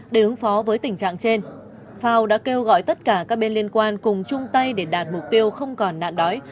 để ứng phó với tình trạng trên fao đã kêu gọi tất cả các bên liên quan cùng chung tay để đạt mục tiêu không còn nạn đói